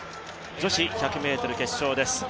女子１００ｍ決勝です。